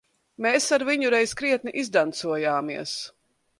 Mēs ar viņu reiz krietni izdancojāmies.